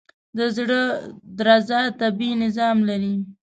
د زړه درزا طبیعي نظام لري.